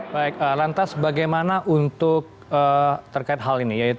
baik lantas bagaimana untuk terkait hal ini